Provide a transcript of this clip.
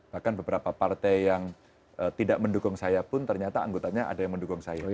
bahkan beberapa partai yang tidak mendukung saya pun ternyata anggotanya ada yang mendukung saya